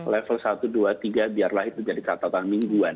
level satu dua tiga biarlah itu jadi catatan mingguan